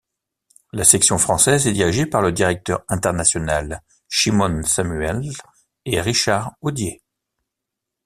La section française est dirigée par le directeur international Shimon Samuels et Richard Odier.